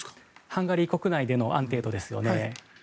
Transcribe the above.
ハンガリー国内での安定度ですよね。